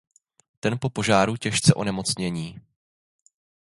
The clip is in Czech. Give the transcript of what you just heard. Ten po požáru těžce onemocnění.